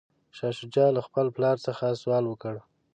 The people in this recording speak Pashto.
شاه شجاع له خپل پلار څخه سوال وکړ.